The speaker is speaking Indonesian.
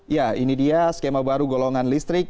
ya ini dia skema baru golongan listrik